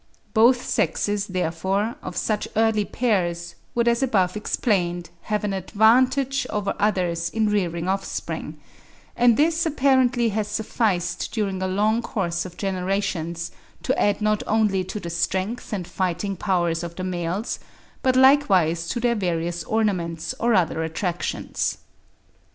Both sexes, therefore, of such early pairs would as above explained, have an advantage over others in rearing offspring; and this apparently has sufficed during a long course of generations to add not only to the strength and fighting powers of the males, but likewise to their various ornaments or other attractions.